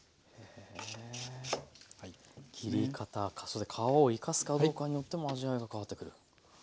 切り方それで皮を生かすかどうかによっても味わいが変わってくる。